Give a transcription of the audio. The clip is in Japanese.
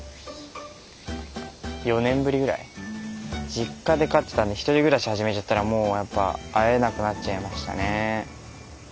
実家で飼ってたんで１人暮らし始めちゃったらもうやっぱ会えなくなっちゃいましたね。